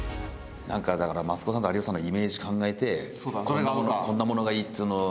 だからマツコさんと有吉さんのイメージ考えてこんなものがいいっつうのを。